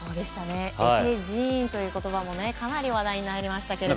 エペジーーンという言葉もかなり話題になりましたけど。